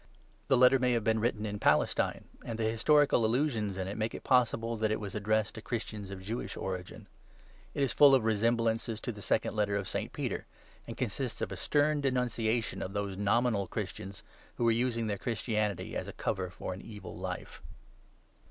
The Letter may have been written in Palestine ; and the historical allusions in it make it possible that it was addressed to Christians of Jewish origin. It is full of resemblances to 'The Second Letter of St. Peter,' and consists of a stern denunciation of those nominal Christians who were using their Christianity as a cover for an evil life.